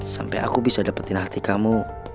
sampai aku bisa dapetin hati kamu